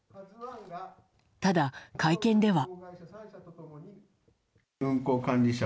ただ、会見では。